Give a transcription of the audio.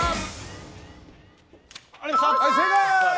正解！